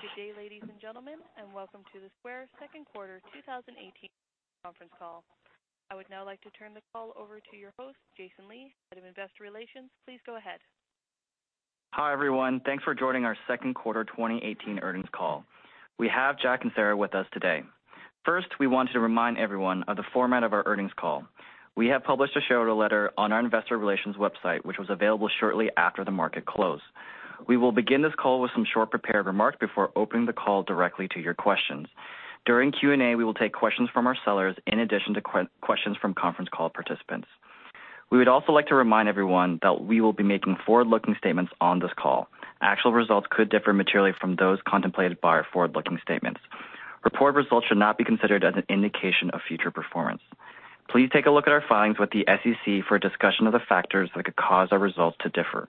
Good day, ladies and gentlemen, and welcome to the Square second quarter 2018 conference call. I would now like to turn the call over to your host, Jason Lee, head of Investor Relations. Please go ahead. Hi, everyone. Thanks for joining our second quarter 2018 earnings call. We have Jack and Sarah with us today. First, we wanted to remind everyone of the format of our earnings call. We have published a shareholder letter on our investor relations website, which was available shortly after the market close. We will begin this call with some short prepared remarks before opening the call directly to your questions. During Q&A, we will take questions from our sellers, in addition to questions from conference call participants. We would also like to remind everyone that we will be making forward-looking statements on this call. Actual results could differ materially from those contemplated by our forward-looking statements. Reported results should not be considered as an indication of future performance. Please take a look at our filings with the SEC for a discussion of the factors that could cause our results to differ.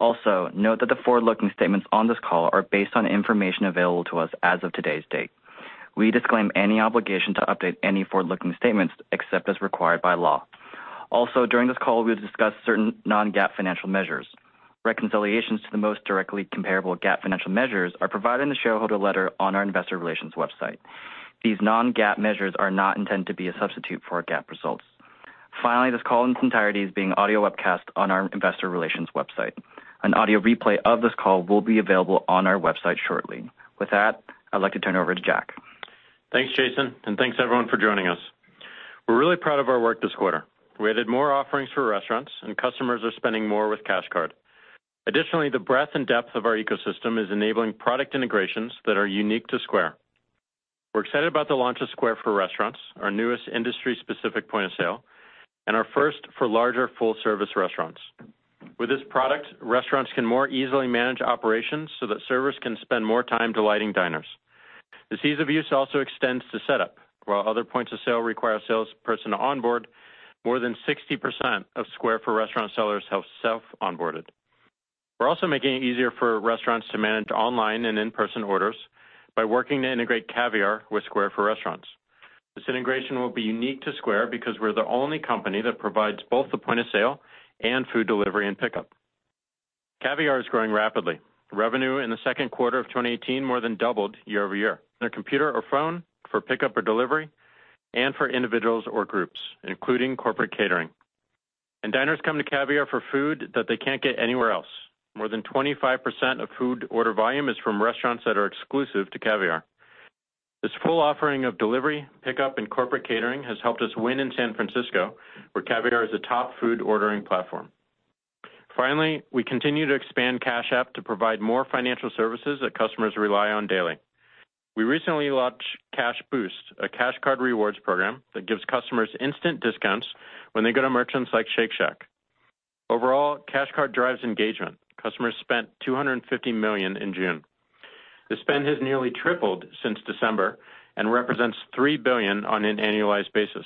Also, note that the forward-looking statements on this call are based on information available to us as of today's date. We disclaim any obligation to update any forward-looking statements except as required by law. Also, during this call, we'll discuss certain non-GAAP financial measures. Reconciliations to the most directly comparable GAAP financial measures are provided in the shareholder letter on our investor relations website. These non-GAAP measures are not intended to be a substitute for our GAAP results. Finally, this call in its entirety is being audio webcast on our investor relations website. An audio replay of this call will be available on our website shortly. With that, I'd like to turn it over to Jack. Thanks, Jason, and thanks, everyone, for joining us. We're really proud of our work this quarter. We added more offerings for restaurants, and customers are spending more with Cash Card. Additionally, the breadth and depth of our ecosystem is enabling product integrations that are unique to Square. We're excited about the launch of Square for Restaurants, our newest industry-specific point-of-sale and our first for larger full-service restaurants. With this product, restaurants can more easily manage operations so that servers can spend more time delighting diners. This ease of use also extends to setup. While other points of sale require salesperson to onboard, more than 60% of Square for Restaurants sellers have self-onboarded. We're also making it easier for restaurants to manage online and in-person orders by working to integrate Caviar with Square for Restaurants. This integration will be unique to Square because we're the only company that provides both the point of sale and food delivery and pickup. Caviar is growing rapidly. Revenue in the second quarter of 2018 more than doubled year-over-year. Their computer or phone for pickup or delivery and for individuals or groups, including corporate catering. Diners come to Caviar for food that they can't get anywhere else. More than 25% of food order volume is from restaurants that are exclusive to Caviar. This full offering of delivery, pickup, and corporate catering has helped us win in San Francisco, where Caviar is a top food ordering platform. Finally, we continue to expand Cash App to provide more financial services that customers rely on daily. We recently launched Cash Boost, a Cash Card rewards program that gives customers instant discounts when they go to merchants like Shake Shack. Overall, Cash Card drives engagement. Customers spent $250 million in June. The spend has nearly tripled since December and represents $3 billion on an annualized basis.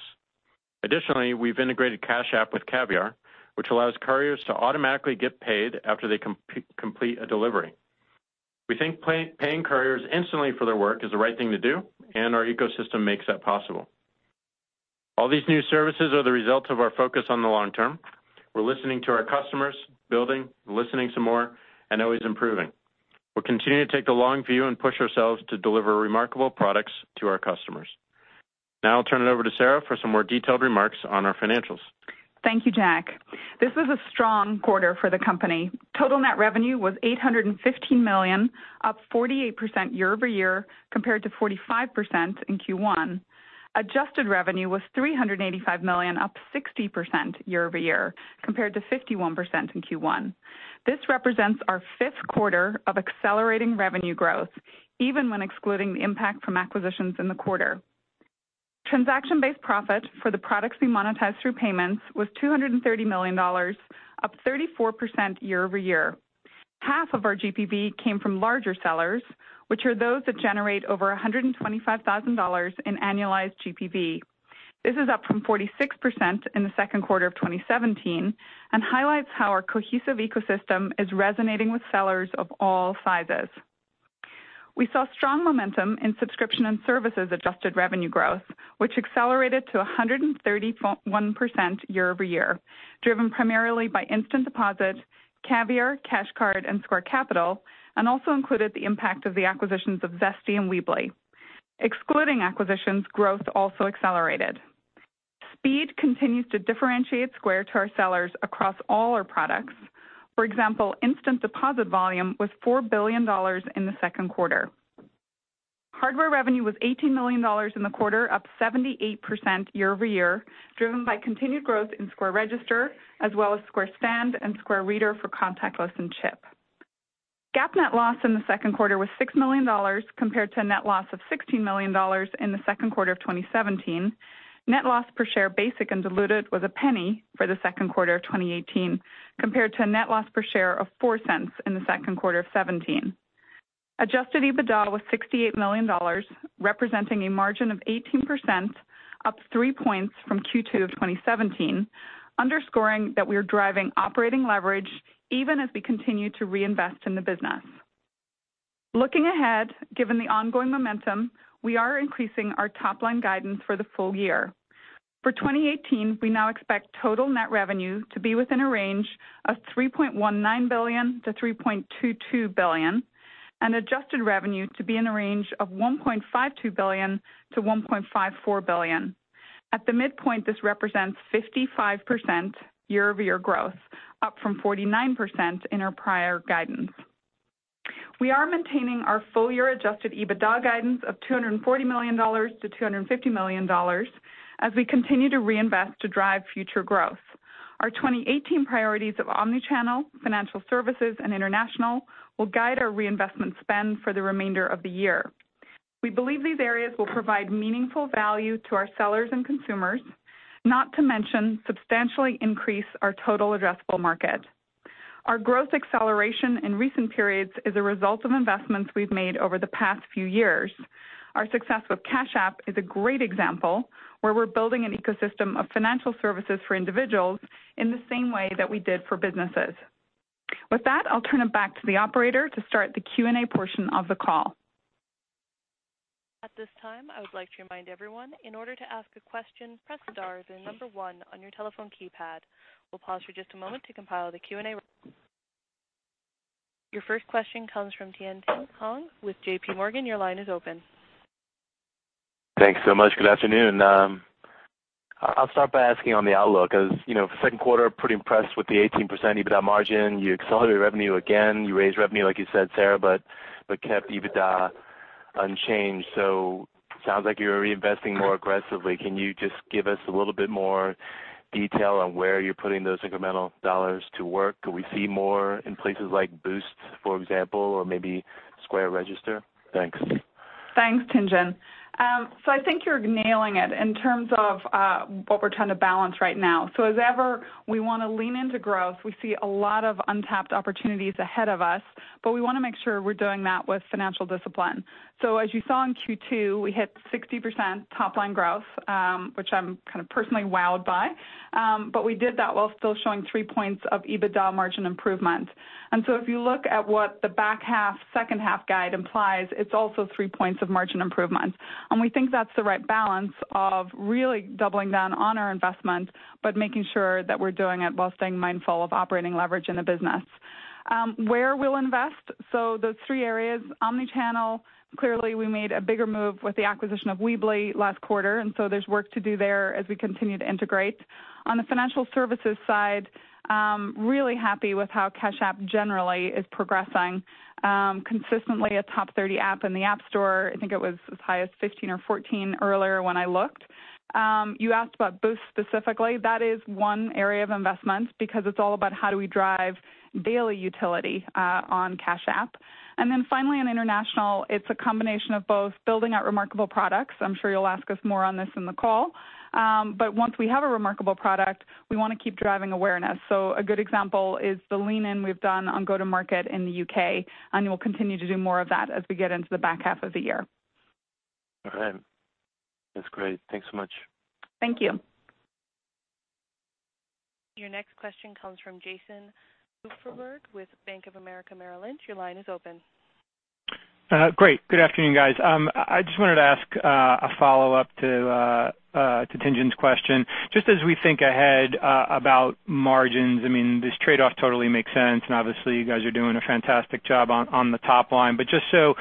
Additionally, we've integrated Cash App with Caviar, which allows couriers to automatically get paid after they complete a delivery. We think paying couriers instantly for their work is the right thing to do, and our ecosystem makes that possible. All these new services are the result of our focus on the long term. We're listening to our customers, building, listening some more, and always improving. We'll continue to take the long view and push ourselves to deliver remarkable products to our customers. Now I'll turn it over to Sarah for some more detailed remarks on our financials. Thank you, Jack. This was a strong quarter for the company. Total net revenue was $815 million, up 48% year-over-year, compared to 45% in Q1. Adjusted revenue was $385 million, up 60% year-over-year, compared to 51% in Q1. This represents our fifth quarter of accelerating revenue growth, even when excluding the impact from acquisitions in the quarter. Transaction-based profit for the products we monetize through payments was $230 million, up 34% year-over-year. Half of our GPV came from larger sellers, which are those that generate over $125,000 in annualized GPV. This is up from 46% in the second quarter of 2017 and highlights how our cohesive ecosystem is resonating with sellers of all sizes. We saw strong momentum in subscription and services adjusted revenue growth, which accelerated to 131% year-over-year, driven primarily by Instant Payouts, Caviar, Cash Card, and Square Loans, and also included the impact of the acquisitions of Zesty and Weebly. Excluding acquisitions, growth also accelerated. Speed continues to differentiate Square to our sellers across all our products. For example, Instant Payouts volume was $4 billion in the second quarter. Hardware revenue was $18 million in the quarter, up 78% year-over-year, driven by continued growth in Square Register, as well as Square Stand and Square Reader for contactless and chip. GAAP net loss in the second quarter was $6 million compared to a net loss of $16 million in the second quarter of 2017. Net loss per share, basic and diluted, was $0.01 for the second quarter of 2018, compared to a net loss per share of $0.04 in the second quarter of 2017. Adjusted EBITDA was $68 million, representing a margin of 18%, up three points from Q2 2017, underscoring that we are driving operating leverage even as we continue to reinvest in the business. Looking ahead, given the ongoing momentum, we are increasing our top-line guidance for the full year. For 2018, we now expect total net revenue to be within a range of $3.19 billion-$3.22 billion, and adjusted revenue to be in the range of $1.52 billion-$1.54 billion. At the midpoint, this represents 55% year-over-year growth, up from 49% in our prior guidance. We are maintaining our full-year adjusted EBITDA guidance of $240 million-$250 million as we continue to reinvest to drive future growth. Our 2018 priorities of omni-channel, financial services, and international will guide our reinvestment spend for the remainder of the year. We believe these areas will provide meaningful value to our sellers and consumers, not to mention substantially increase our total addressable market. Our growth acceleration in recent periods is a result of investments we've made over the past few years. Our success with Cash App is a great example, where we're building an ecosystem of financial services for individuals in the same way that we did for businesses. With that, I'll turn it back to the operator to start the Q&A portion of the call. At this time, I would like to remind everyone, in order to ask a question, press star, then number one on your telephone keypad. We'll pause for just a moment to compile the Q&A. Your first question comes from Tien-Tsin Huang with J.P. Morgan. Your line is open. Thanks so much. Good afternoon. I'll start by asking on the outlook, as second quarter, pretty impressed with the 18% EBITDA margin. You accelerated revenue again, you raised revenue, like you said, Sarah, but kept EBITDA unchanged. Sounds like you're reinvesting more aggressively. Can you just give us a little bit more detail on where you're putting those incremental dollars to work? Do we see more in places like Boost, for example, or maybe Square Register? Thanks. Thanks, Tien-Tsin. I think you're nailing it in terms of what we're trying to balance right now. As ever, we want to lean into growth. We see a lot of untapped opportunities ahead of us, but we want to make sure we're doing that with financial discipline. As you saw in Q2, we hit 60% top-line growth, which I'm kind of personally wowed by. But we did that while still showing three points of EBITDA margin improvement. If you look at what the back half, second half guide implies, it's also three points of margin improvement, and we think that's the right balance of really doubling down on our investment, but making sure that we're doing it while staying mindful of operating leverage in the business. Where we'll invest, those three areas, omni-channel, clearly we made a bigger move with the acquisition of Weebly last quarter, and there's work to do there as we continue to integrate. On the financial services side, really happy with how Cash App generally is progressing. Consistently a top 30 app in the App Store. I think it was as high as 15 or 14 earlier when I looked. You asked about Boost specifically. That is one area of investment because it's all about how do we drive daily utility on Cash App. Finally on international, it's a combination of both building out remarkable products. I'm sure you'll ask us more on this in the call. Once we have a remarkable product, we want to keep driving awareness. A good example is the lean in we've done on go-to-market in the U.K., and we'll continue to do more of that as we get into the back half of the year. All right. That's great. Thanks so much. Thank you. Your next question comes from Jason Kupferberg with Bank of America Merrill Lynch. Your line is open. Great. Good afternoon, guys. I just wanted to ask a follow-up to Tien-Tsin's question. Just as we think ahead about margins, I mean, this trade-off totally makes sense, and obviously you guys are doing a fantastic job on the top line, but just so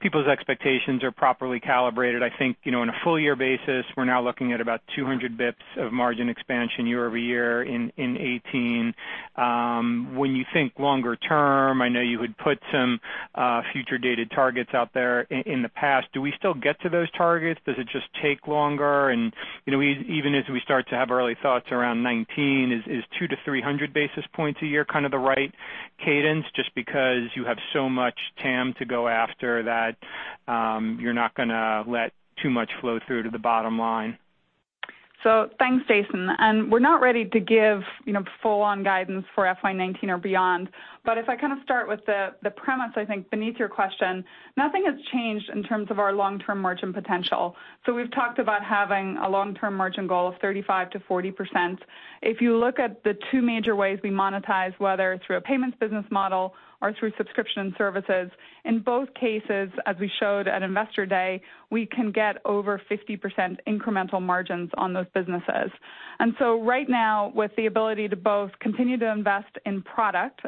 people's expectations are properly calibrated, I think, on a full year basis, we are now looking at about 200 basis points of margin expansion year-over-year in 2018. When you think longer term, I know you had put some future-dated targets out there in the past. Do we still get to those targets? Does it just take longer? Even as we start to have early thoughts around 2019, is 2-300 basis points a year kind of the right cadence, just because you have so much TAM to go after that you are not going to let too much flow through to the bottom line? Thanks, Jason, and we are not ready to give full on guidance for FY 2019 or beyond. If I kind of start with the premise, I think beneath your question, nothing has changed in terms of our long-term margin potential. We have talked about having a long-term margin goal of 35%-40%. If you look at the two major ways we monetize, whether through a payments business model or through subscription services, in both cases, as we showed at Investor Day, we can get over 50% incremental margins on those businesses. Right now, with the ability to both continue to invest in product,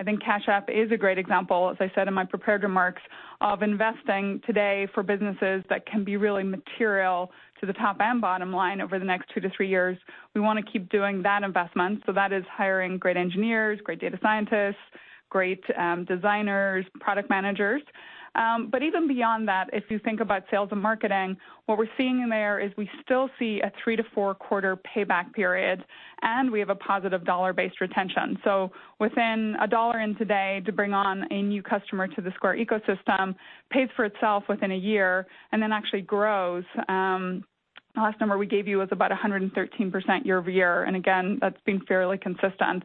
I think Cash App is a great example, as I said in my prepared remarks, of investing today for businesses that can be really material to the top and bottom line over the next 2-3 years. We want to keep doing that investment. That is hiring great engineers, great data scientists, great designers, product managers. Even beyond that, if you think about sales and marketing, what we're seeing in there is we still see a 3-4 quarter payback period, and we have a positive dollar-based retention. Within a $1 in today to bring on a new customer to the Square ecosystem pays for itself within a year and then actually grows. Last number we gave you was about 113% year-over-year, and again, that's been fairly consistent.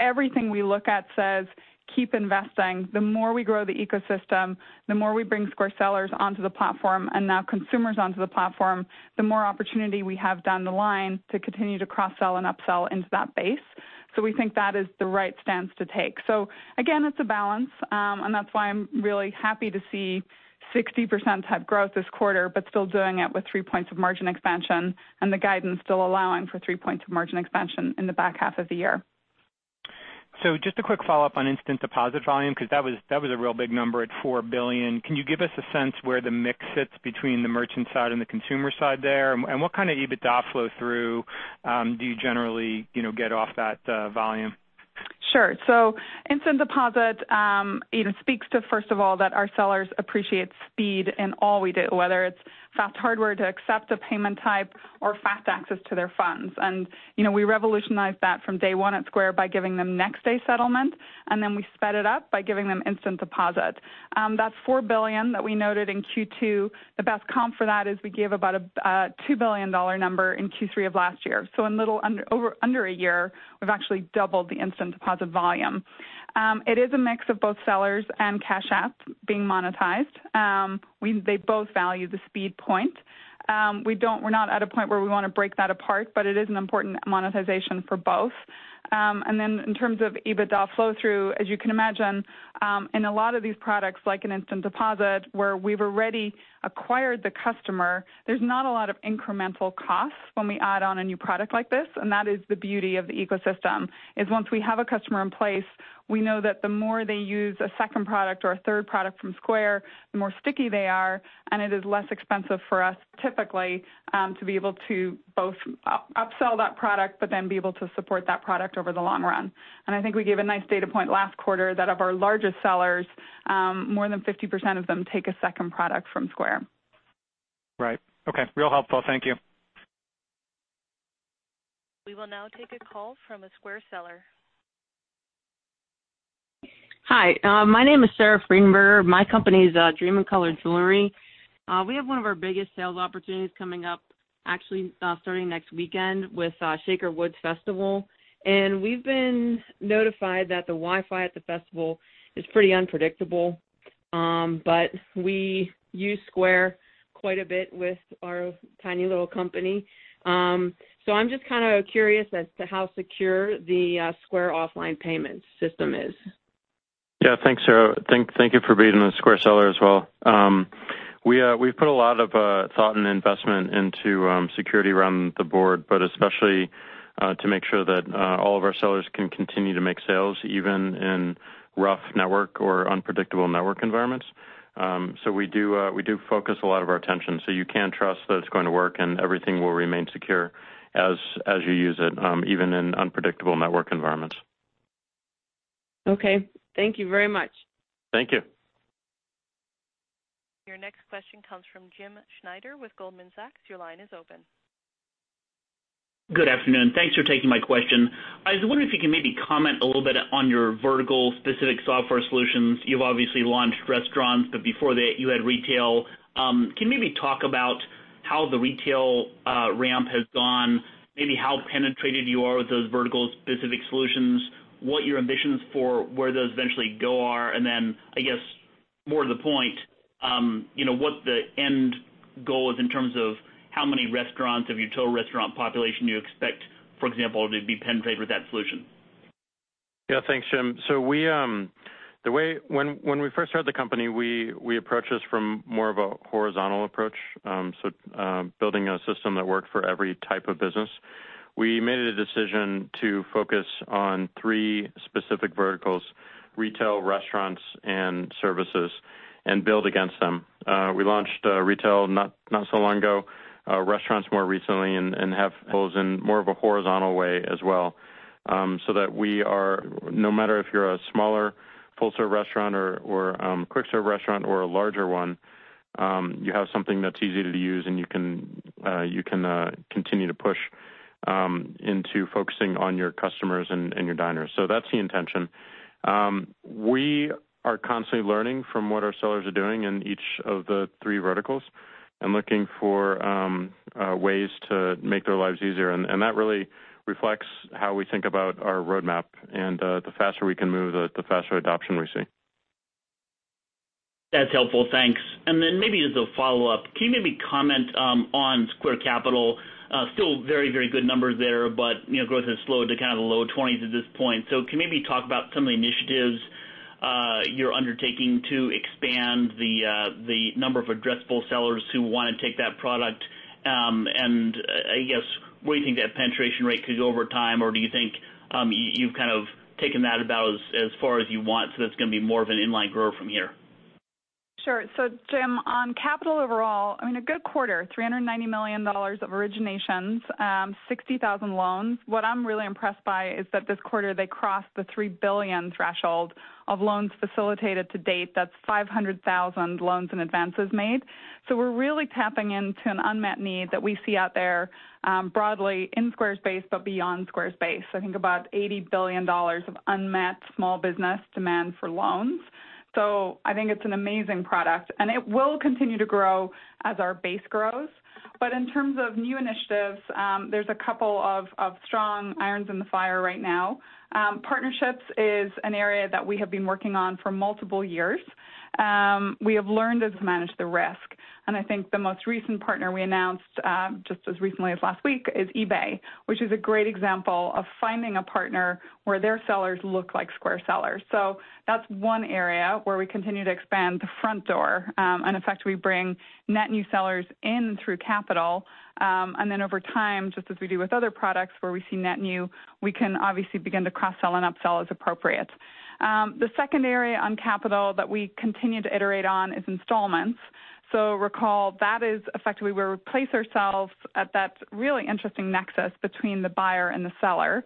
Everything we look at says keep investing. The more we grow the ecosystem, the more we bring Square sellers onto the platform and now consumers onto the platform, the more opportunity we have down the line to continue to cross-sell and upsell into that base. We think that is the right stance to take. Again, it's a balance, and that's why I'm really happy to see 60% type growth this quarter, but still doing it with three points of margin expansion and the guidance still allowing for three points of margin expansion in the back half of the year. Just a quick follow-up on Instant Payouts volume, because that was a real big number at $4 billion. Can you give us a sense where the mix sits between the merchant side and the consumer side there? What kind of EBITDA flow through do you generally get off that volume? Sure. Instant Payouts, it speaks to, first of all, that our sellers appreciate speed in all we do, whether it's fast hardware to accept a payment type or fast access to their funds. We revolutionized that from day one at Square by giving them next-day settlement, and then we sped it up by giving them Instant Payouts. That's $4 billion that we noted in Q2. The best comp for that is we gave about a $2 billion number in Q3 of last year. In under a year, we've actually doubled the Instant Payouts volume. It is a mix of both sellers and Cash App being monetized. They both value the speed point. We're not at a point where we want to break that apart, but it is an important monetization for both. In terms of EBITDA flow through, as you can imagine, in a lot of these products, like in instant deposit, where we've already acquired the customer, there's not a lot of incremental costs when we add on a new product like this, and that is the beauty of the ecosystem, is once we have a customer in place, we know that the more they use a second product or a third product from Square, the more sticky they are, and it is less expensive for us, typically, to be able to both upsell that product, but then be able to support that product over the long run. I think we gave a nice data point last quarter that of our largest sellers, more than 50% of them take a second product from Square. Right. Okay. Real helpful. Thank you. We will now take a call from a Square seller. Hi, my name is Sarah Freinberg. My company is Dream in Color Jewelry. We have one of our biggest sales opportunities coming up, actually, starting next weekend with Shaker Woods Festival. We've been notified that the Wi-Fi at the festival is pretty unpredictable, but we use Square quite a bit with our tiny little company. I'm just kind of curious as to how secure the Square offline payment system is. Thanks, Sarah. Thank you for being a Square seller as well. We've put a lot of thought and investment into security around the board, especially to make sure that all of our sellers can continue to make sales even in rough network or unpredictable network environments. We do focus a lot of our attention, so you can trust that it's going to work and everything will remain secure as you use it, even in unpredictable network environments. Thank you very much. Thank you. Your next question comes from James Schneider with Goldman Sachs. Your line is open. Good afternoon. Thanks for taking my question. I was wondering if you could maybe comment a little bit on your vertical specific software solutions. You've obviously launched restaurants, but before that you had retail. Can you maybe talk about how the retail ramp has gone, maybe how penetrated you are with those vertical specific solutions, what your ambitions for where those eventually go are, I guess, more to the point, what the end goal is in terms of how many restaurants of your total restaurant population you expect, for example, to be penetrated with that solution? Yeah. Thanks, Jim. When we first started the company, we approached this from more of a horizontal approach, so building a system that worked for every type of business. We made a decision to focus on three specific verticals, retail, restaurants, and services, and build against them. We launched retail not so long ago, restaurants more recently, and have those in more of a horizontal way as well, so that no matter if you're a smaller full-service restaurant or quick-serve restaurant or a larger one, you have something that's easy to use and you can continue to push into focusing on your customers and your diners. That's the intention. We are constantly learning from what our sellers are doing in each of the three verticals and looking for ways to make their lives easier. That really reflects how we think about our roadmap, and the faster we can move it, the faster adoption we see. That's helpful. Thanks. Maybe as a follow-up, can you maybe comment on Square Loans? Still very good numbers there, but growth has slowed to kind of the low twenties at this point. Can you maybe talk about some of the initiatives you're undertaking to expand the number of addressable sellers who want to take that product? I guess, where do you think that penetration rate could go over time? Do you think you've kind of taken that about as far as you want, so that's going to be more of an inline grow from here? Sure. Jim, on capital overall, a good quarter, $390 million of originations, 60,000 loans. What I'm really impressed by is that this quarter they crossed the $3 billion threshold of loans facilitated to date. That's 500,000 loans and advances made. We're really tapping into an unmet need that we see out there broadly in Square's base, but beyond Square's base. I think about $80 billion of unmet small business demand for loans. I think it's an amazing product, and it will continue to grow as our base grows. In terms of new initiatives, there's a couple of strong irons in the fire right now. Partnerships is an area that we have been working on for multiple years. We have learned to manage the risk. I think the most recent partner we announced, just as recently as last week, is eBay, which is a great example of finding a partner where their sellers look like Square sellers. That's one area where we continue to expand the front door and effectively bring net new sellers in through capital. Over time, just as we do with other products, where we see net new, we can obviously begin to cross-sell and up-sell as appropriate. The second area on capital that we continue to iterate on is installments. Recall, that is effectively where we place ourselves at that really interesting nexus between the buyer and the seller.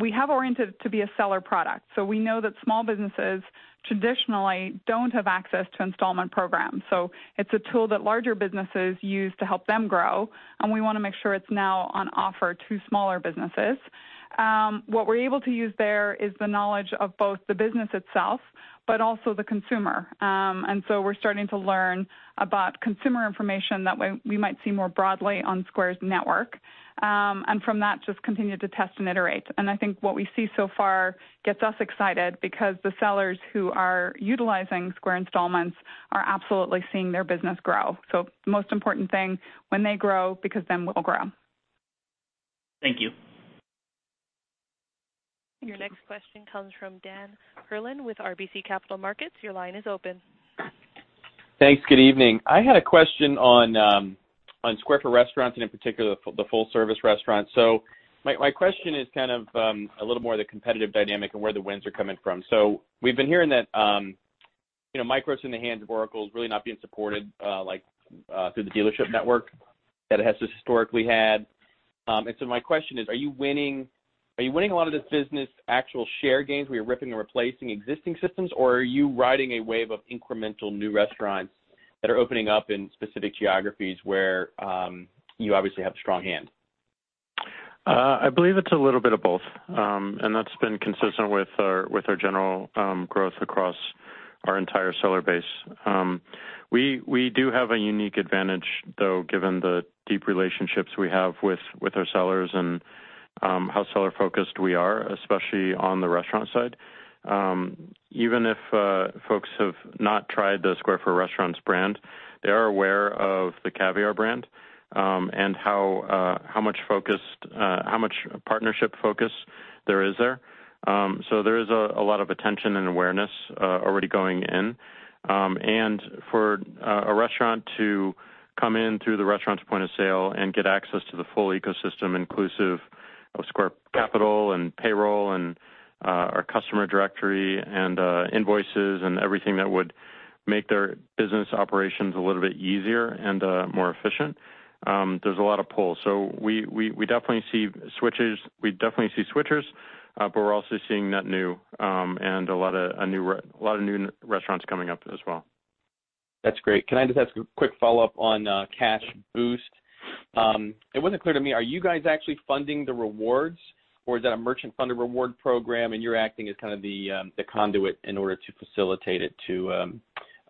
We have oriented it to be a seller product. We know that small businesses traditionally don't have access to installment programs. It's a tool that larger businesses use to help them grow, and we want to make sure it's now on offer to smaller businesses. What we're able to use there is the knowledge of both the business itself, but also the consumer. We're starting to learn about consumer information that we might see more broadly on Square's network. From that, just continue to test and iterate. I think what we see so far gets us excited because the sellers who are utilizing Square Installments are absolutely seeing their business grow. The most important thing, when they grow, because then we'll grow. Thank you. Your next question comes from Daniel Perlin with RBC Capital Markets. Your line is open. Thanks. Good evening. I had a question on Square for Restaurants, and in particular, the full-service restaurant. My question is kind of a little more the competitive dynamic and where the wins are coming from. We've been hearing that MICROS in the hands of Oracle is really not being supported through the dealership network that it has historically had. My question is, are you winning a lot of this business actual share gains where you're ripping and replacing existing systems? Are you riding a wave of incremental new restaurants that are opening up in specific geographies where you obviously have a strong hand? I believe it's a little bit of both. That's been consistent with our general growth across our entire seller base. We do have a unique advantage, though, given the deep relationships we have with our sellers and how seller-focused we are, especially on the restaurant side. Even if folks have not tried the Square for Restaurants brand, they are aware of the Caviar brand, and how much partnership focus there is there. There is a lot of attention and awareness already going in. For a restaurant to come in through the restaurants point of sale and get access to the full ecosystem, inclusive of Square Loans and Payroll and our customer directory and invoices and everything that would make their business operations a little bit easier and more efficient, there's a lot of pull. We definitely see switchers, we're also seeing net new and a lot of new restaurants coming up as well. That's great. Can I just ask a quick follow-up on Cash Boost? It wasn't clear to me, are you guys actually funding the rewards, or is that a merchant-funded reward program, and you're acting as kind of the conduit in order to facilitate it to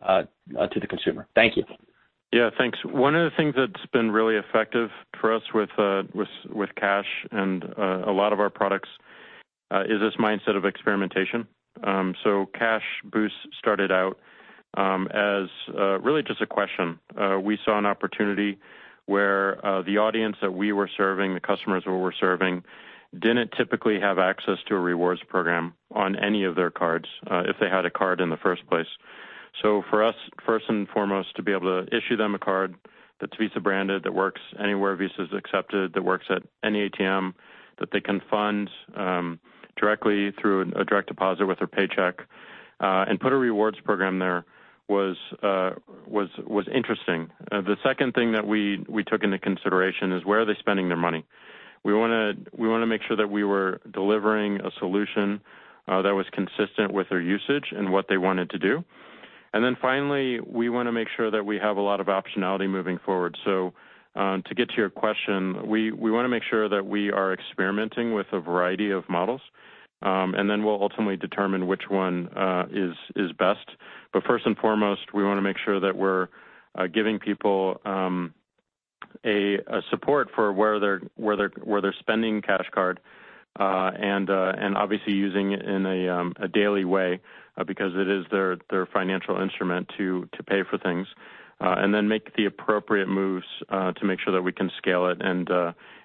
the consumer? Thank you. Yeah, thanks. One of the things that's been really effective for us with Cash and a lot of our products is this mindset of experimentation. Cash Boost started out as really just a question. We saw an opportunity where the audience that we were serving, the customers we were serving, didn't typically have access to a rewards program on any of their cards, if they had a card in the first place. For us, first and foremost, to be able to issue them a card that's Visa branded, that works anywhere Visa's accepted, that works at any ATM, that they can fund directly through a direct deposit with their paycheck, and put a rewards program there was interesting. The second thing that we took into consideration is where are they spending their money? We want to make sure that we were delivering a solution that was consistent with their usage and what they wanted to do. Finally, we want to make sure that we have a lot of optionality moving forward. To get to your question, we want to make sure that we are experimenting with a variety of models, and then we'll ultimately determine which one is best. First and foremost, we want to make sure that we're giving people a support for where they're spending Cash Card, and obviously using it in a daily way, because it is their financial instrument to pay for things. Then make the appropriate moves, to make sure that we can scale it and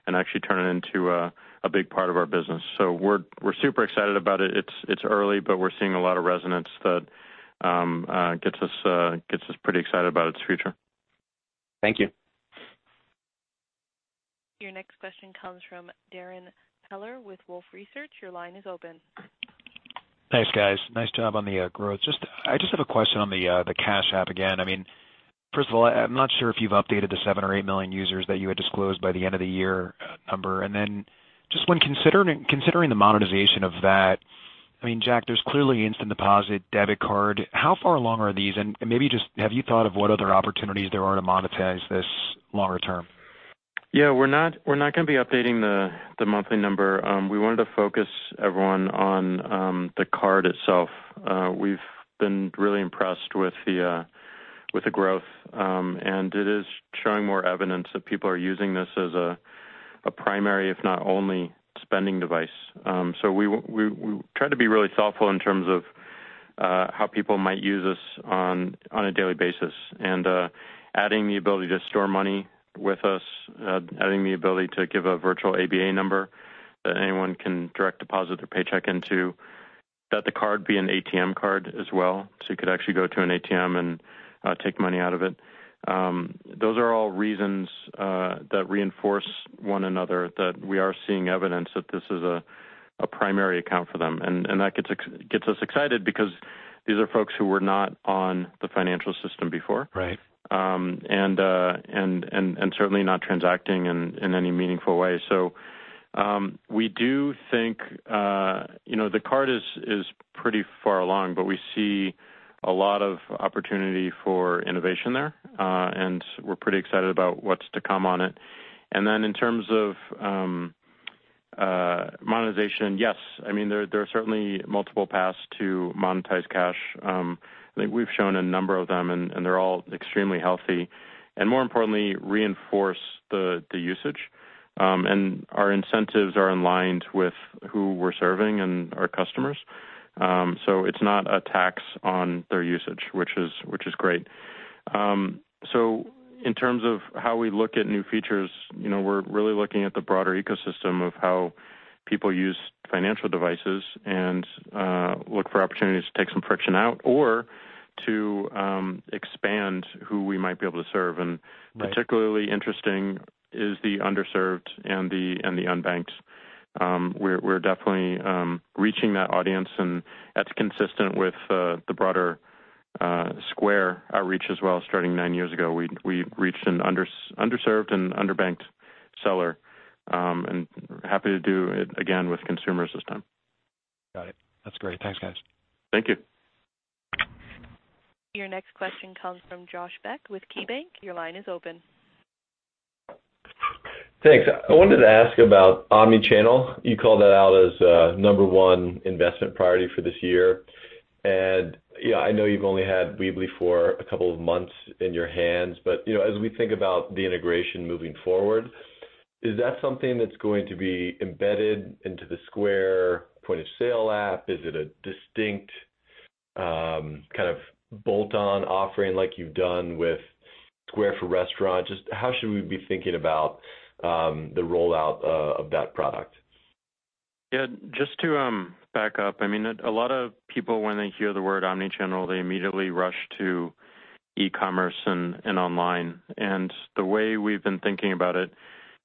actually turn it into a big part of our business. We're super excited about it. It's early, but we're seeing a lot of resonance that gets us pretty excited about its future. Thank you. Your next question comes from Darrin Peller with Wolfe Research. Your line is open. Thanks, guys. Nice job on the growth. I just have a question on the Cash App again. First of all, I'm not sure if you've updated the seven or eight million users that you had disclosed by the end of the year number. Then just when considering the monetization of that, Jack, there's clearly Instant Payouts, Cash App Card. How far along are these? Maybe just have you thought of what other opportunities there are to monetize this longer term? Yeah, we're not going to be updating the monthly number. We wanted to focus everyone on the card itself. We've been really impressed with the growth, and it is showing more evidence that people are using this as a primary, if not only, spending device. We try to be really thoughtful in terms of how people might use us on a daily basis, and adding the ability to store money with us, adding the ability to give a virtual ABA number that anyone can direct deposit their paycheck into, that the card be an ATM card as well, so you could actually go to an ATM and take money out of it. Those are all reasons that reinforce one another, that we are seeing evidence that this is a primary account for them. That gets us excited because these are folks who were not on the financial system before. Right. Certainly not transacting in any meaningful way. We do think the card is pretty far along, but we see a lot of opportunity for innovation there, and we're pretty excited about what's to come on it. In terms of monetization, yes. There are certainly multiple paths to monetize Cash. I think we've shown a number of them, and they're all extremely healthy, and more importantly, reinforce the usage. Our incentives are in line with who we're serving and our customers. It's not a tax on their usage, which is great. In terms of how we look at new features, we're really looking at the broader ecosystem of how people use financial devices and look for opportunities to take some friction out or to expand who we might be able to serve. Right. Particularly interesting is the underserved and the unbanked. We're definitely reaching that audience, and that's consistent with the broader Square outreach as well. Starting nine years ago, we reached an underserved and underbanked seller, and happy to do it again with consumers this time. Got it. That's great. Thanks, guys. Thank you. Your next question comes from Josh Beck with KeyBanc. Your line is open. Thanks. I wanted to ask about omnichannel. You called that out as a number one investment priority for this year. I know you've only had Weebly for a couple of months in your hands, but as we think about the integration moving forward, is that something that's going to be embedded into the Square point-of-sale app? Is it a distinct bolt-on offering like you've done with Square for Restaurants? Just how should we be thinking about the rollout of that product? Yeah, just to back up, a lot of people when they hear the word omnichannel, they immediately rush to e-commerce and online. The way we've been thinking about it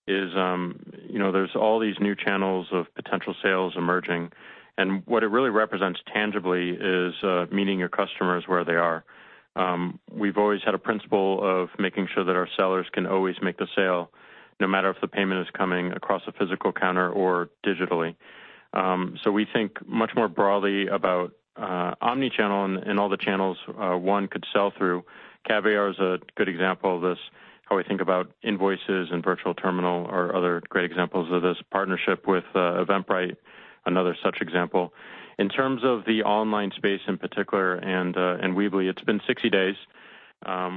is, there's all these new channels of potential sales emerging, and what it really represents tangibly is meeting your customers where they are. We've always had a principle of making sure that our sellers can always make the sale, no matter if the payment is coming across a physical counter or digitally. We think much more broadly about omnichannel and all the channels one could sell through. Caviar is a good example of this. How we think about invoices and Virtual Terminal are other great examples of this. Partnership with Eventbrite, another such example. In terms of the online space in particular and Weebly, it's been 60 days.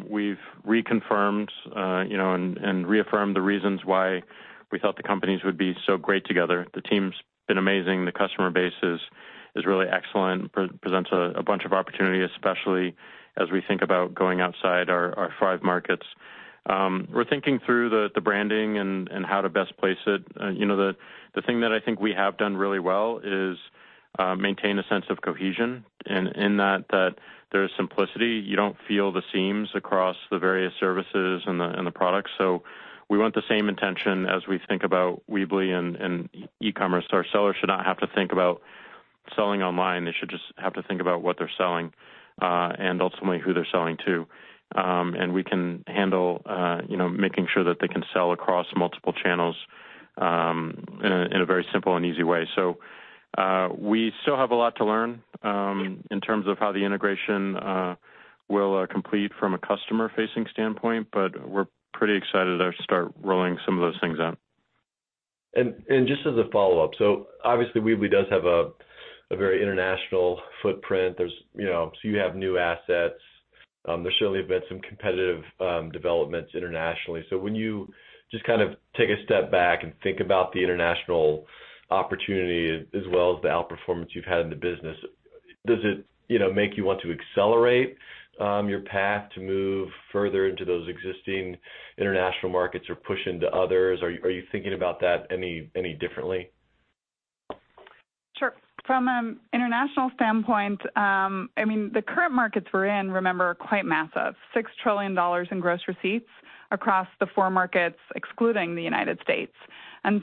We've reconfirmed and reaffirmed the reasons why we thought the companies would be so great together. The team's been amazing. The customer base is really excellent, presents a bunch of opportunities, especially as we think about going outside our five markets. We're thinking through the branding and how to best place it. The thing that I think we have done really well is maintain a sense of cohesion and in that there is simplicity. You don't feel the seams across the various services and the products. We want the same intention as we think about Weebly and e-commerce. Our sellers should not have to think about selling online. They should just have to think about what they're selling, and ultimately who they're selling to. We can handle making sure that they can sell across multiple channels in a very simple and easy way. We still have a lot to learn in terms of how the integration will complete from a customer-facing standpoint, but we're pretty excited to start rolling some of those things out. Just as a follow-up. Obviously Weebly does have a very international footprint. You have new assets. There certainly have been some competitive developments internationally. When you just kind of take a step back and think about the international opportunity as well as the outperformance you've had in the business, does it make you want to accelerate your path to move further into those existing international markets or push into others? Are you thinking about that any differently? Sure. From an international standpoint, the current markets we're in, remember, are quite massive. 6 trillion dollars in gross receipts across the four markets, excluding the U.S.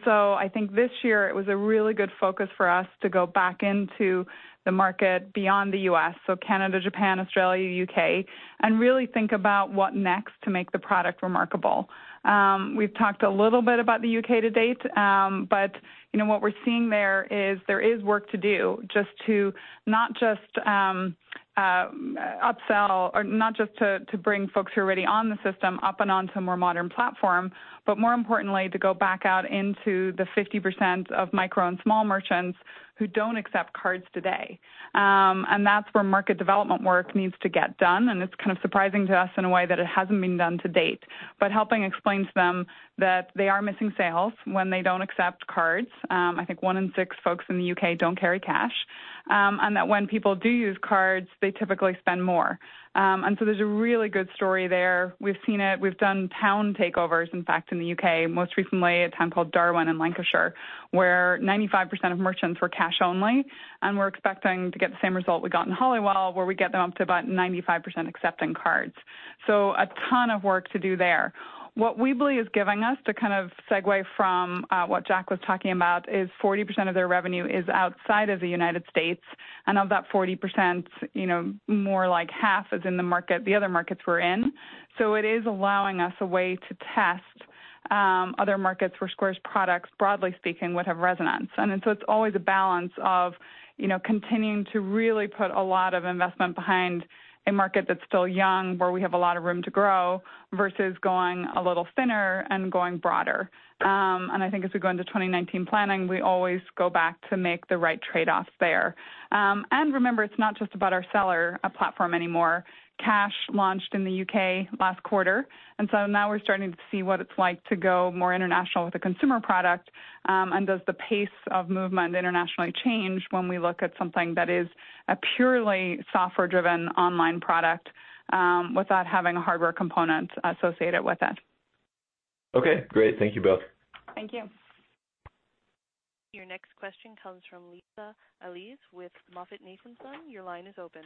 I think this year it was a really good focus for us to go back into the market beyond the U.S., Canada, Japan, Australia, U.K., and really think about what next to make the product remarkable. We've talked a little bit about the U.K. to date, but what we're seeing there is there is work to do, not just to bring folks who are already on the system up and on to a more modern platform, but more importantly, to go back out into the 50% of micro and small merchants who don't accept cards today. That's where market development work needs to get done. It's kind of surprising to us in a way that it hasn't been done to date. Helping explain to them that they are missing sales when they don't accept cards. I think one in six folks in the U.K. don't carry cash. That when people do use cards, they typically spend more. There's a really good story there. We've seen it. We've done town takeovers, in fact, in the U.K., most recently a town called Darwen in Lancashire, where 95% of merchants were cash only, and we're expecting to get the same result we got in Holywell, where we get them up to about 95% accepting cards. A ton of work to do there. What Weebly is giving us, to kind of segue from what Jack was talking about, is 40% of their revenue is outside of the U.S., and of that 40%, more like half is in the other markets we're in. It is allowing us a way to test other markets where Square's products, broadly speaking, would have resonance. It's always a balance of continuing to really put a lot of investment behind a market that's still young, where we have a lot of room to grow, versus going a little thinner and going broader. I think as we go into 2019 planning, we always go back to make the right trade-offs there. Remember, it's not just about our seller platform anymore. Cash launched in the U.K. last quarter, now we're starting to see what it's like to go more international with a consumer product. Does the pace of movement internationally change when we look at something that is a purely software driven online product, without having a hardware component associated with it? Okay, great. Thank you both. Thank you. Your next question comes from Lisa Ellis with MoffettNathanson. Your line is open.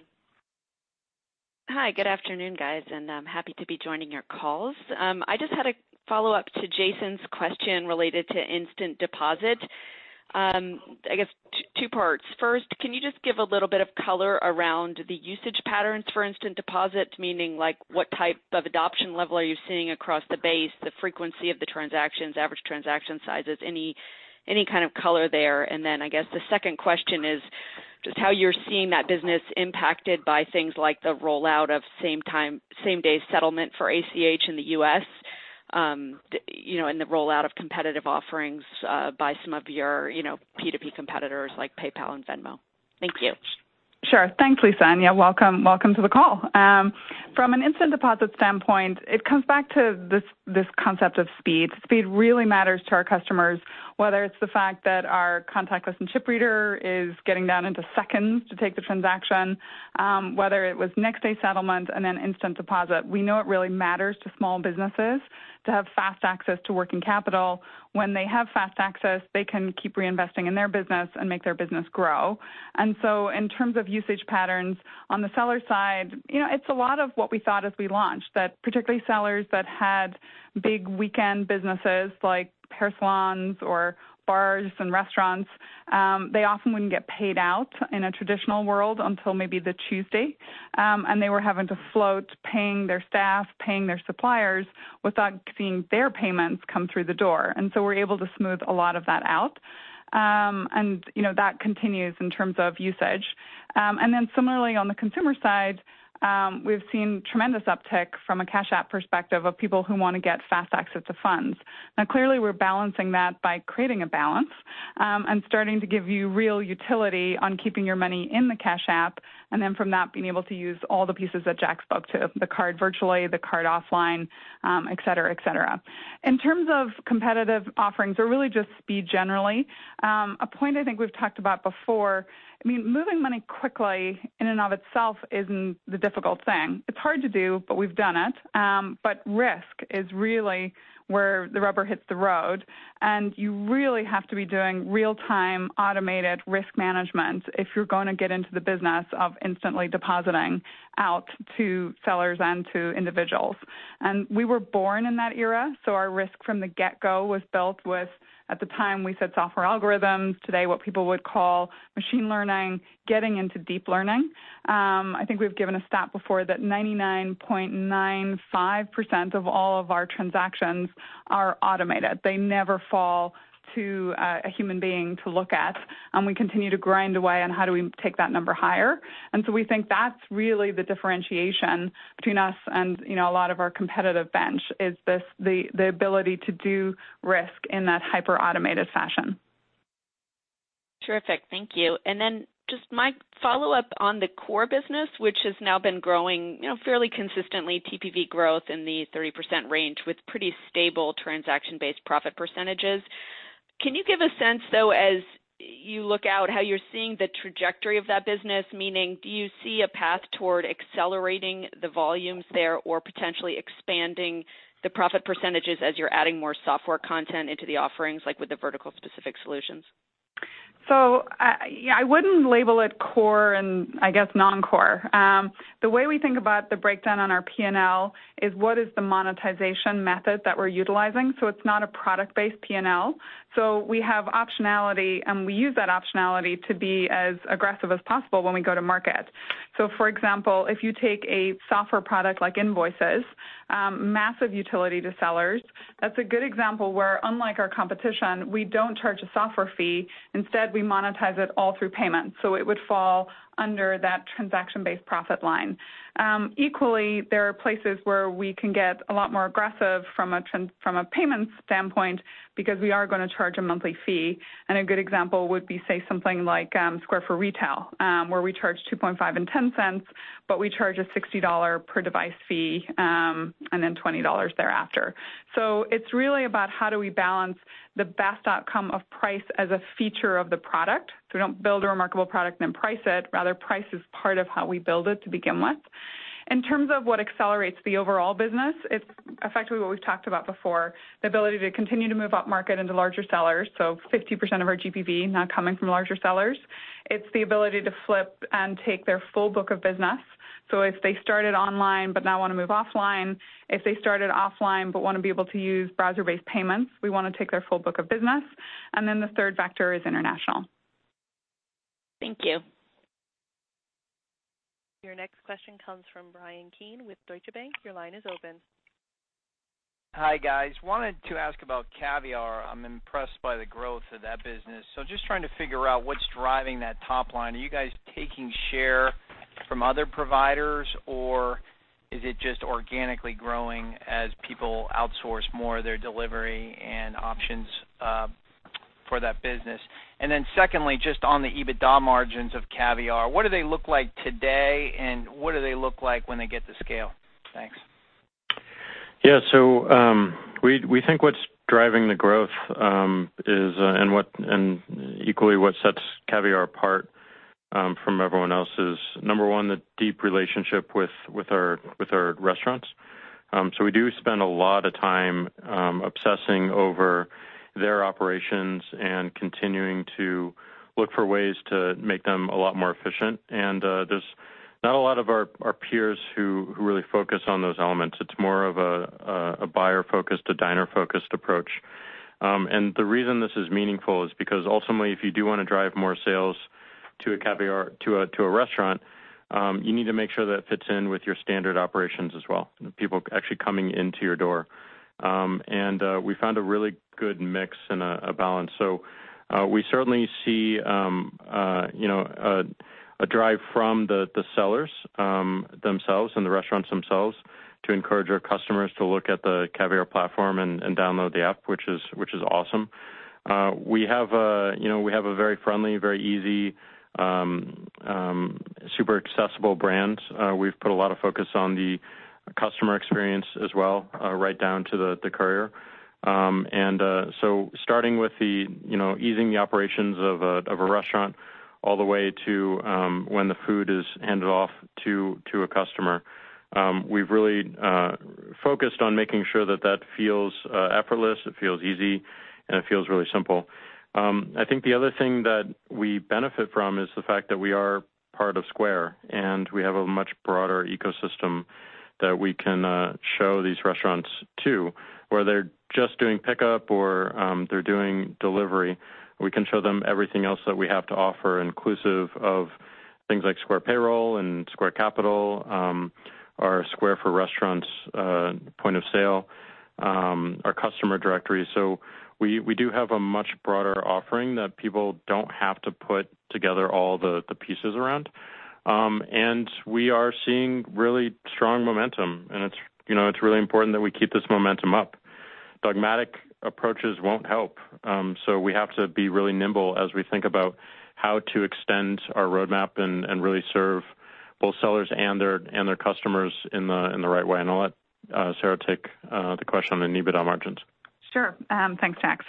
Hi. Good afternoon, guys. I'm happy to be joining your calls. I just had a follow-up to Jason's question related to Instant Payouts. I guess two parts. Can you just give a little bit of color around the usage patterns for Instant Payouts, meaning what type of adoption level are you seeing across the base, the frequency of the transactions, average transaction sizes, any kind of color there? I guess the second question is just how you're seeing that business impacted by things like the rollout of same day settlement for ACH in the U.S., and the rollout of competitive offerings by some of your P2P competitors, like PayPal and Venmo. Thank you. Sure. Thanks, Lisa. Yeah, welcome to the call. From an Instant Deposit standpoint, it comes back to this concept of speed. Speed really matters to our customers, whether it's the fact that our contactless and chip reader is getting down into seconds to take the transaction, whether it was next day settlement, Instant Deposit. We know it really matters to small businesses to have fast access to working capital. When they have fast access, they can keep reinvesting in their business and make their business grow. In terms of usage patterns, on the seller side, it's a lot of what we thought as we launched. Particularly sellers that had big weekend businesses like hair salons or bars and restaurants, they often wouldn't get paid out in a traditional world until maybe the Tuesday. They were having to float paying their staff, paying their suppliers, without seeing their payments come through the door, we're able to smooth a lot of that out. That continues in terms of usage. Similarly, on the consumer side, we've seen tremendous uptick from a Cash App perspective of people who want to get fast access to funds. Now, clearly, we're balancing that by creating a balance, starting to give you real utility on keeping your money in the Cash App, then from that, being able to use all the pieces that Jack spoke to, the card virtually, the card offline, et cetera. In terms of competitive offerings or really just speed generally, a point I think we've talked about before, moving money quickly in and of itself isn't the difficult thing. It's hard to do, but we've done it. Risk is really where the rubber hits the road, you really have to be doing real time, automated risk management if you're going to get into the business of instantly depositing out to sellers and to individuals. We were born in that era, so our risk from the get-go was built with, at the time, we said software algorithms, today, what people would call machine learning, getting into deep learning. I think we've given a stat before that 99.95% of all of our transactions are automated. They never fall to a human being to look at. We continue to grind away on how do we take that number higher. We think that's really the differentiation between us and a lot of our competitive bench, is the ability to do risk in that hyper-automated fashion. Terrific. Thank you. Just my follow-up on the core business, which has now been growing fairly consistently, TPV growth in the 30% range with pretty stable transaction based profit percentages. Can you give a sense, though, as you look out, how you're seeing the trajectory of that business? Meaning, do you see a path toward accelerating the volumes there or potentially expanding the profit percentages as you're adding more software content into the offerings, like with the vertical specific solutions? I wouldn't label it core and, I guess, non-core. The way we think about the breakdown on our P&L is what is the monetization method that we're utilizing. It's not a product based P&L. We have optionality, we use that optionality to be as aggressive as possible when we go to market. For example, if you take a software product like Invoices, massive utility to sellers, that's a good example where, unlike our competition, we don't charge a software fee. Instead, we monetize it all through payments. It would fall under that transaction based profit line. Equally, there are places where we can get a lot more aggressive from a payments standpoint because we are going to charge a monthly fee. A good example would be, say, something like Square for Retail, where we charge $0.025 and $0.10, but we charge a $60 per device fee, and then $20 thereafter. It's really about how do we balance the best outcome of price as a feature of the product. We don't build a remarkable product and then price it. Rather, price is part of how we build it to begin with. In terms of what accelerates the overall business, it's effectively what we've talked about before, the ability to continue to move upmarket into larger sellers. 50% of our GPV now coming from larger sellers. It's the ability to flip and take their full book of business. If they started online but now want to move offline, if they started offline but want to be able to use browser-based payments, we want to take their full book of business, the third vector is international. Thank you. Your next question comes from Bryan Keane with Deutsche Bank. Your line is open. Hi, guys. Wanted to ask about Caviar. I'm impressed by the growth of that business. Just trying to figure out what's driving that top line. Are you guys taking share from other providers, or is it just organically growing as people outsource more of their delivery and options for that business? Secondly, just on the EBITDA margins of Caviar, what do they look like today, and what do they look like when they get to scale? Thanks. Yeah. We think what's driving the growth, and equally what sets Caviar apart from everyone else is, number 1, the deep relationship with our restaurants. We do spend a lot of time obsessing over their operations and continuing to look for ways to make them a lot more efficient, and there's not a lot of our peers who really focus on those elements. It's more of a buyer-focused, a diner-focused approach. The reason this is meaningful is because ultimately, if you do want to drive more sales to a restaurant, you need to make sure that it fits in with your standard operations as well, people actually coming into your door. We found a really good mix and a balance. We certainly see a drive from the sellers themselves and the restaurants themselves to encourage our customers to look at the Caviar platform and download the app, which is awesome. We have a very friendly, very easy, super accessible brand. We've put a lot of focus on the customer experience as well, right down to the courier. Starting with the easing the operations of a restaurant all the way to when the food is handed off to a customer. We've really focused on making sure that that feels effortless, it feels easy, and it feels really simple. I think the other thing that we benefit from is the fact that we are part of Square, and we have a much broader ecosystem that we can show these restaurants to. Where they're just doing pickup or they're doing delivery, we can show them everything else that we have to offer, inclusive of things like Square Payroll and Square Capital, our Square for Restaurants point of sale, our customer directory. We do have a much broader offering that people don't have to put together all the pieces around. We are seeing really strong momentum, and it's really important that we keep this momentum up. Dogmatic approaches won't help, so we have to be really nimble as we think about how to extend our roadmap and really serve both sellers and their customers in the right way. I'll let Sarah take the question on the EBITDA margins. Thanks, Jack.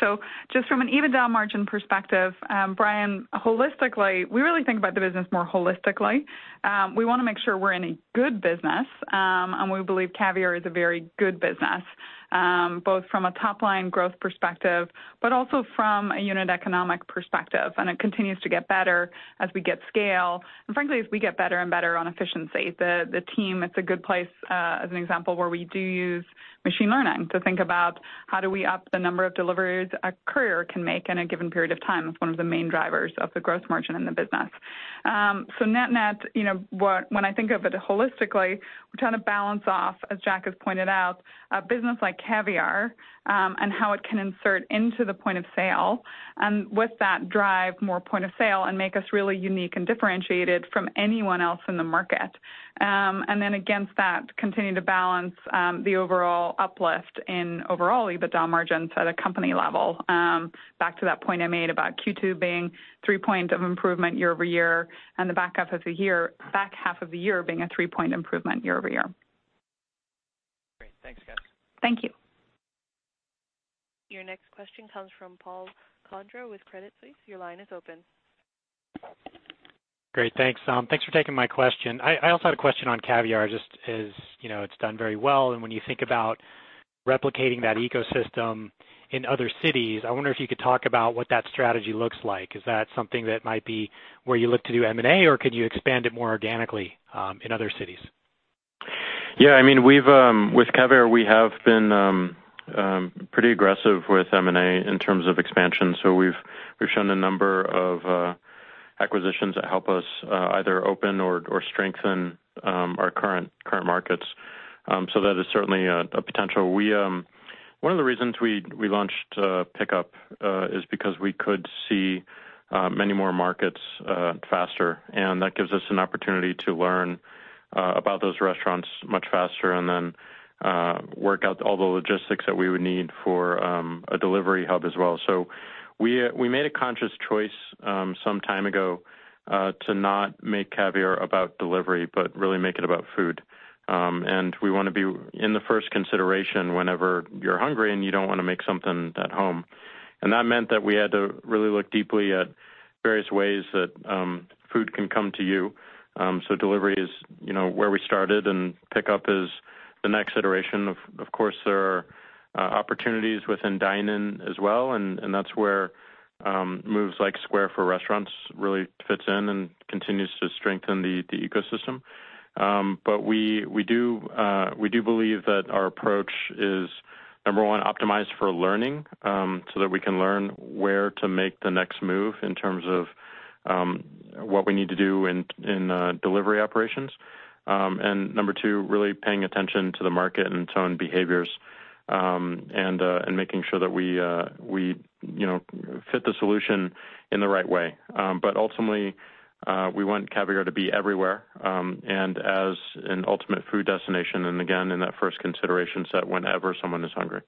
Just from an EBITDA margin perspective, Bryan, holistically, we really think about the business more holistically. We want to make sure we're in a good business, and we believe Caviar is a very good business, both from a top-line growth perspective, but also from a unit economic perspective, and it continues to get better as we get scale. Frankly, as we get better and better on efficiency. The team, it's a good place, as an example, where we do use machine learning to think about how do we up the number of deliveries a courier can make in a given period of time, is one of the main drivers of the gross margin in the business. Net-net, when I think of it holistically, we're trying to balance off, as Jack has pointed out, a business like Caviar, and how it can insert into the point of sale, and with that, drive more point of sale and make us really unique and differentiated from anyone else in the market. Then against that, continue to balance the overall uplift in overall EBITDA margins at a company level. Back to that point I made about Q2 being three points of improvement year-over-year, and the back half of the year being a three-point improvement year-over-year. Great. Thanks, guys. Thank you. Your next question comes from Paul Condra with Credit Suisse. Your line is open. Great. Thanks. Thanks for taking my question. I also had a question on Caviar, just as it's done very well, and when you think about replicating that ecosystem in other cities, I wonder if you could talk about what that strategy looks like. Is that something that might be where you look to do M&A, or could you expand it more organically in other cities? Yeah. With Caviar, we have been pretty aggressive with M&A in terms of expansion. We've shown a number of acquisitions that help us either open or strengthen our current markets. That is certainly a potential. One of the reasons we launched Pickup is because we could see many more markets faster, and that gives us an opportunity to learn about those restaurants much faster and then work out all the logistics that we would need for a delivery hub as well. We made a conscious choice some time ago to not make Caviar about delivery, but really make it about food, and we want to be in the first consideration whenever you're hungry and you don't want to make something at home. That meant that we had to really look deeply at various ways that food can come to you. Delivery is where we started, and Pickup is the next iteration. Of course, there are opportunities within dine-in as well, and that's where moves like Square for Restaurants really fits in and continues to strengthen the ecosystem. We do believe that our approach is, number 1, optimized for learning, so that we can learn where to make the next move in terms of what we need to do in delivery operations. Number 2, really paying attention to the market and tone behaviors, and making sure that we fit the solution in the right way. Ultimately, we want Caviar to be everywhere, and as an ultimate food destination, and again, in that first consideration set whenever someone is hungry.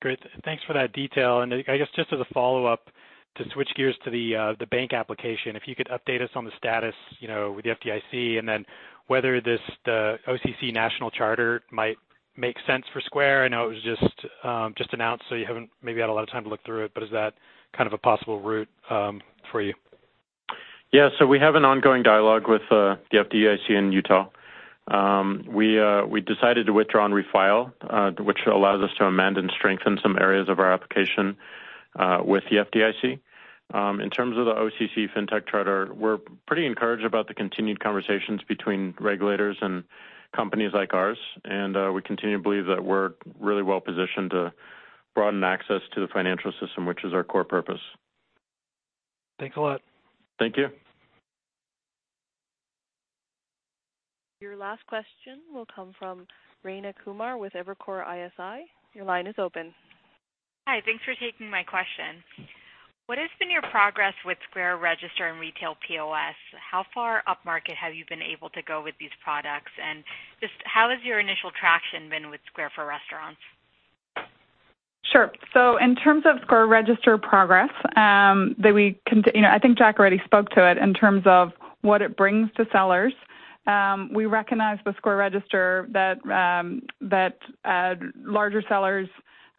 Great. Thanks for that detail. I guess just as a follow-up, to switch gears to the bank application, if you could update us on the status with the FDIC, and then whether this, the OCC national charter might make sense for Square. I know it was just announced, so you haven't maybe had a lot of time to look through it, but is that kind of a possible route for you? Yeah. We have an ongoing dialogue with the FDIC in Utah. We decided to withdraw and refile, which allows us to amend and strengthen some areas of our application with the FDIC. In terms of the OCC fintech charter, we're pretty encouraged about the continued conversations between regulators and companies like ours, we continue to believe that we're really well positioned to broaden access to the financial system, which is our core purpose. Thanks a lot. Thank you. Your last question will come from Rayna Kumar with Evercore ISI. Your line is open. Hi. Thanks for taking my question. What has been your progress with Square Register and Retail POS? How far up market have you been able to go with these products? Just how has your initial traction been with Square for Restaurants? Sure. In terms of Square Register progress, I think Jack already spoke to it in terms of what it brings to sellers. We recognize with Square Register that larger sellers,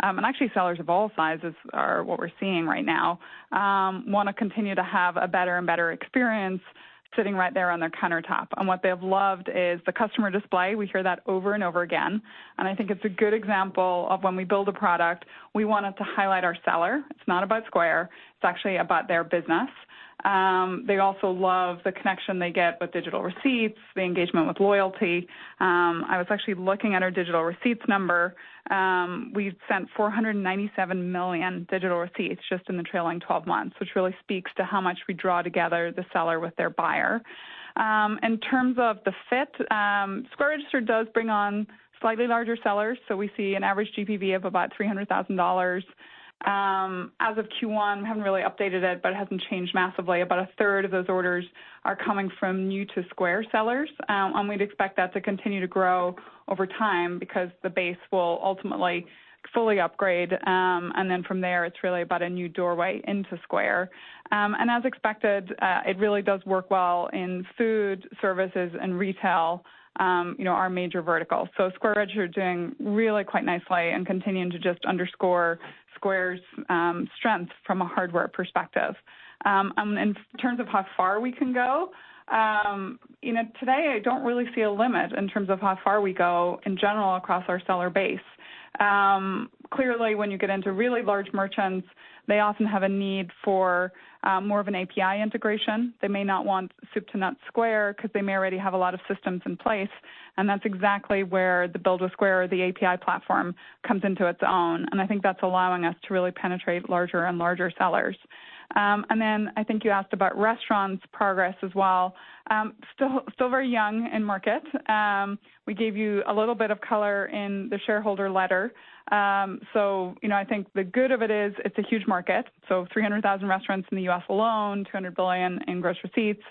and actually sellers of all sizes are what we're seeing right now, want to continue to have a better and better experience sitting right there on their countertop. What they have loved is the customer display. We hear that over and over again, I think it's a good example of when we build a product, we want it to highlight our seller. It's not about Square, it's actually about their business. They also love the connection they get with digital receipts, the engagement with loyalty. I was actually looking at our digital receipts number. We've sent 497 million digital receipts just in the trailing 12 months, which really speaks to how much we draw together the seller with their buyer. In terms of the fit, Square Register does bring on slightly larger sellers, we see an average GPV of about $300,000. As of Q1, haven't really updated it, but it hasn't changed massively. About a third of those orders are coming from new to Square sellers. We'd expect that to continue to grow over time because the base will ultimately fully upgrade, then from there, it's really about a new doorway into Square. As expected, it really does work well in food services and retail, our major verticals. Square Register doing really quite nicely and continuing to just underscore Square's strengths from a hardware perspective. In terms of how far we can go, today I don't really see a limit in terms of how far we go in general across our seller base. Clearly, when you get into really large merchants, they often have a need for more of an API integration. They may not want soup to nuts Square because they may already have a lot of systems in place. That's exactly where the build with Square or the API platform comes into its own, and I think that's allowing us to really penetrate larger and larger sellers. I think you asked about restaurants progress as well. Still very young in market. We gave you a little bit of color in the shareholder letter. I think the good of it is, it's a huge market. 300,000 restaurants in the U.S. alone, $200 billion in gross receipts.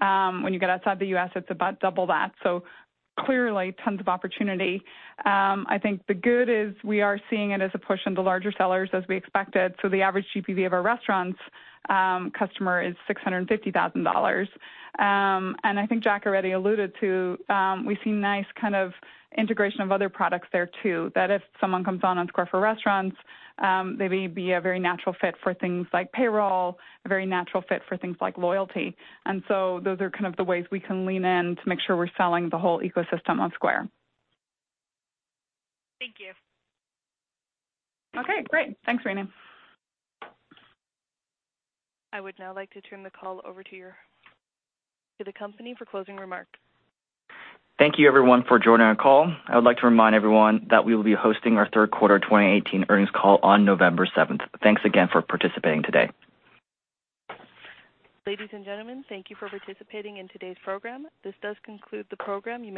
When you get outside the U.S., it's about double that. Clearly, tons of opportunity. I think the good is we are seeing it as a push into larger sellers as we expected. The average GPV of our restaurants customer is $650,000. I think Jack already alluded to, we see nice kind of integration of other products there too. That if someone comes on Square for Restaurants, they may be a very natural fit for things like payroll, a very natural fit for things like loyalty. Those are kind of the ways we can lean in to make sure we're selling the whole ecosystem on Square. Thank you. Okay, great. Thanks, Rayna. I would now like to turn the call over to the company for closing remarks. Thank you everyone for joining our call. I would like to remind everyone that we will be hosting our third quarter 2018 earnings call on November 7th. Thanks again for participating today. Ladies and gentlemen, thank you for participating in today's program. This does conclude the program.